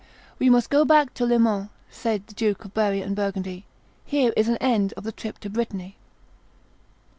'We must go back to Le Mans,' said the Dukes of Berry and Burgundy: 'here is an end of the trip to Brittany.